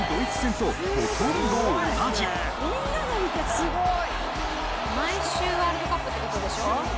すごい。毎週ワールドカップって事でしょ？